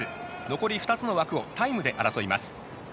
残り２つの枠をタイムで争います。